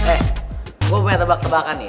eh gua pengen tebak tebakan nih